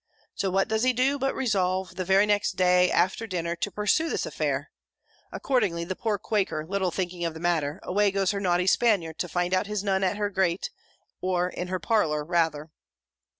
So, what does he do, but resolve, the very next day, after dinner, to pursue this affair: accordingly, the poor Quaker little thinking of the matter, away goes her naughty Spaniard, to find out his Nun at her grate, or in her parlour rather.